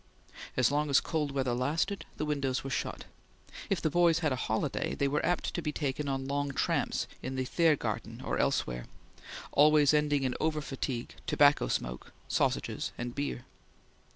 As long as cold weather lasted, the windows were shut. If the boys had a holiday, they were apt to be taken on long tramps in the Thiergarten or elsewhere, always ending in over fatigue, tobacco smoke, sausages, and beer.